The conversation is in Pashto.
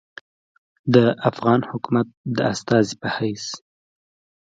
د افغان حکومت د استازي پۀ حېث